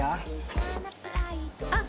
「あっ！」